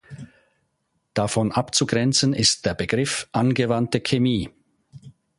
Davon abzugrenzen ist der Begriff „Angewandte Chemie“.